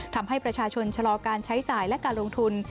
ทำให้ประชาชนชะลอการใช้จ่ายและการลงทุน